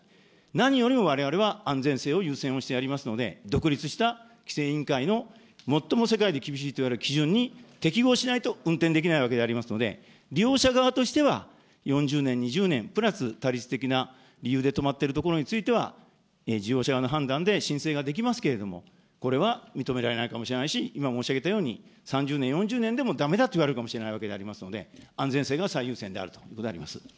何よりもわれわれは安全性を優先をしてやりますので、独立した規制委員会の最も世界で厳しいといわれる基準に適合しないと運転できないわけでありますので、利用者側としては、４０年、２０年、プラス他律的な理由で止まってるところについては、事業者側の判断で申請ができますけれども、これは認められないかもしれないし、今、申し上げたように、３０年、４０年でもだめだといわれるかもしれないわけでありますので、安全性が最優先ということであります。